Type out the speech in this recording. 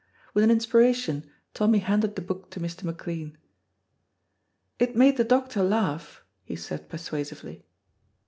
With an inspiration Tommy handed the book to Mr. McLean. "It made the doctor laugh," he said persuasively.